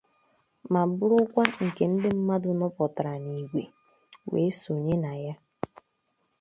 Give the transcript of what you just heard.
ma bụrụkwa nke ndị mmadụ nupụtàrà n'ìgwè wee sonye na ya.